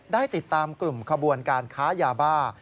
ได้ติดตามกลุ่มขบวนการค้ายาบ้า